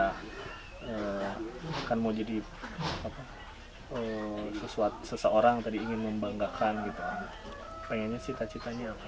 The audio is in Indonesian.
kan mau jadi apa seseorang tadi ingin membanggakan gitu pengennya cita citanya apa